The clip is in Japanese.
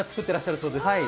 てらっしゃるそうです。